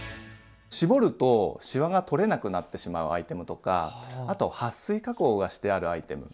絞るとしわが取れなくなってしまうアイテムとかあとはっ水加工がしてあるアイテム